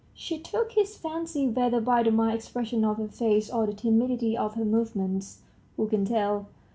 She took his fancy, whether by the mild expression of her face or the timidity of her movements, who can tell?